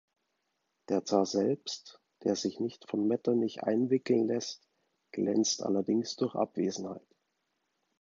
Der Zar selbst, der sich nicht von Metternich einwickeln lässt, glänzt allerdings durch Abwesenheit.